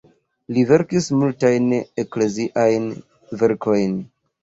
Li verkis multajn ekleziajn verkojn.